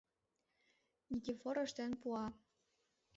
Никифор ыштен пуа.